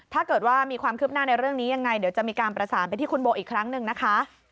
ถ้าเกิดว่ามีความคืบหน้าในเรื่องนี้ยังไงเดี๋ยวจะมีการประสานไปที่คุณโบอีกครั้งหนึ่งนะคะ